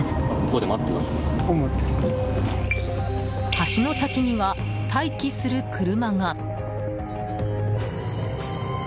橋の先には待機する車が。